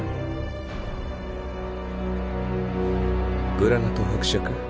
グラナト伯爵。